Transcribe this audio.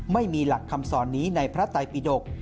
ไม่มีหลักคำสอนนี้ในพระไตปิดก